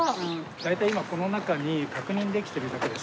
大体今この中に確認できてるだけで３６種類。